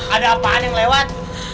ada apaan yang lewat